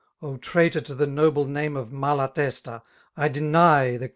O traitor to the noble name '< Of Malatesta, i deny ^ dain.